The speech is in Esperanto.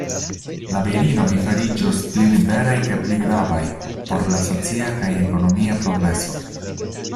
La virinoj fariĝos pli liberaj kaj pli gravaj por la socia kaj ekonomia progreso.